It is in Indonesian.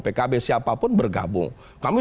pkb siapapun bergabung kami